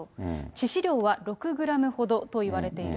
致死量は６グラムほどといわれている。